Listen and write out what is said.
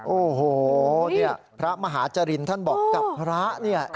โอ้โหเนี่ยพระมหาจรินท่านบอกกับพระเนี่ย